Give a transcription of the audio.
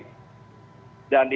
dan itu implikasi